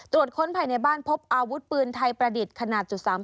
ค้นภายในบ้านพบอาวุธปืนไทยประดิษฐ์ขนาด๓๘